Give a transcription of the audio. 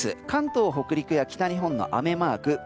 関東、北陸や北日本の雨マーク